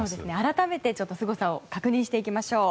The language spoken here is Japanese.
改めてすごさを確認していきましょう。